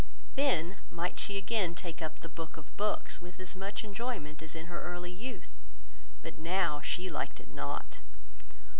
Then might she again take up the book of books with as much enjoyment as in her early youth, but now she liked it not.